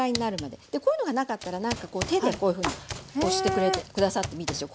でこういうのがなかったら何かこう手でこういうふうに押して下さってもいいですよ。